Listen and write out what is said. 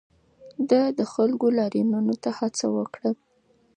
ده د خلکو لاریونونو ته هڅونه وکړه.